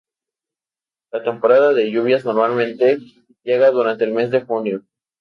La temporada de lluvias normalmente llega durante el mes de junio.